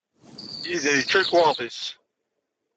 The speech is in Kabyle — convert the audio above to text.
Yidir yečča lekwaɣeḍ-is.